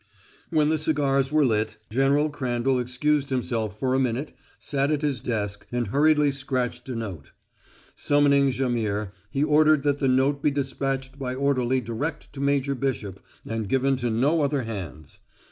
When the cigars were lit, General Crandall excused himself for a minute, sat at his desk, and hurriedly scratched a note. Summoning Jaimihr, he ordered that the note be despatched by orderly direct to Major Bishop and given to no other hands.